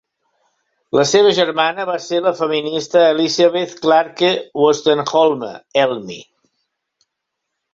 La seva germana va ser la feminista Elizabeth Clarke Wolstenholme Elmy.